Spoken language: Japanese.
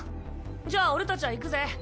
じゃあ俺たちは行くぜ。